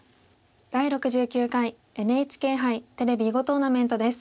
「第６９回ＮＨＫ杯テレビ囲碁トーナメント」です。